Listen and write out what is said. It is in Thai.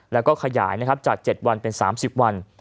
แล้วก็ขยายจาก๗วันเป็น๓๐วัน